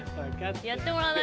やってもらわないと。